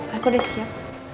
aku udah siap